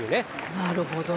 なるほど。